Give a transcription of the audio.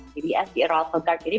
jadi sd arrival card ini bisa diberikan